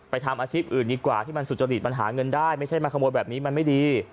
ทำอาชีพอื่นดีกว่าที่มันสุจริตมันหาเงินได้ไม่ใช่มาขโมยแบบนี้มันไม่ดี